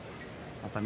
熱海